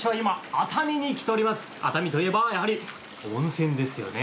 熱海といえばやはり温泉ですよね。